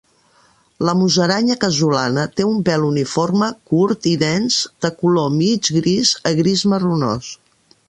La musaranya casolana té un pèl uniforme, curt i dens de color mig gris a gris marronós.